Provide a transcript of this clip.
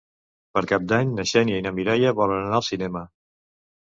Per Cap d'Any na Xènia i na Mireia volen anar al cinema.